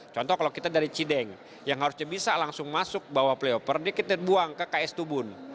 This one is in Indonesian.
contoh kalau kita dari cideng yang harusnya bisa langsung masuk bawah playoff dia kita buang ke ks tubun